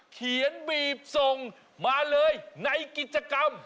เขียนบีบส่งมาเลยในกิจกรรม